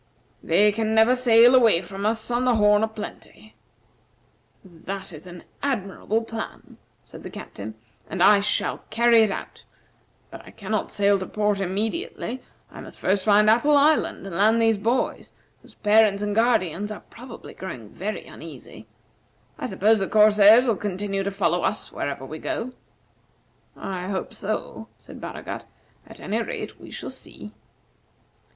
They can never sail away from us on the 'Horn o' Plenty.'" "That is an admirable plan," said the Captain, "and I shall carry it out; but I cannot sail to port immediately. I must first find Apple Island and land these boys, whose parents and guardians are probably growing very uneasy. I suppose the corsairs will continue to follow us wherever we go." "I hope so," said Baragat; "at any rate we shall see."